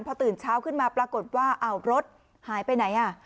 พอตื่นเช้าขึ้นมาปรากฏว่าอ้าวรถหายไปไหนอ่ะ